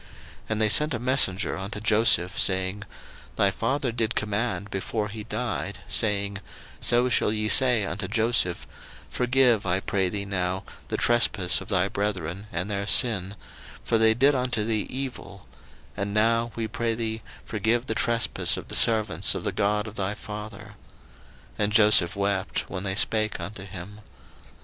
01:050:016 And they sent a messenger unto Joseph, saying, Thy father did command before he died, saying, 01:050:017 So shall ye say unto Joseph, Forgive, I pray thee now, the trespass of thy brethren, and their sin; for they did unto thee evil: and now, we pray thee, forgive the trespass of the servants of the God of thy father. And Joseph wept when they spake unto him.